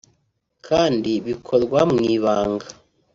kandi bikorwa mu ibanga